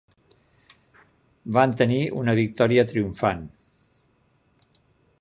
Van tenir una victòria triomfant.